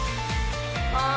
「ああ！